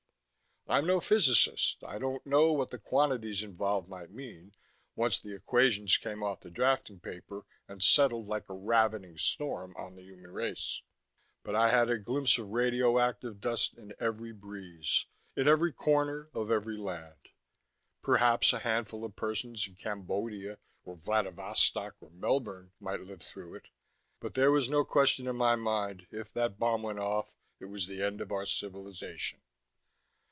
I'm no physicist; I didn't know what the quantities involved might mean, once the equations came off the drafting paper and settled like a ravening storm on the human race. But I had a glimpse of radioactive dust in every breeze, in every corner of every land. Perhaps a handful of persons in Cambodia or Vladivostok or Melbourne might live through it. But there was no question in my mind: If that bomb went off, it was the end of our civilization.